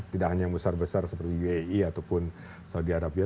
tidak hanya yang besar besar seperti uae ataupun saudi arabia